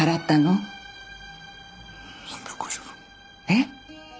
えっ！？